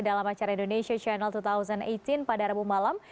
dalam acara indonesia channel dua ribu delapan belas pada rabu malam